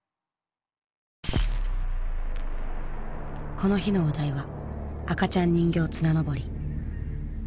この日のお題は「赤ちゃん人形綱登り」。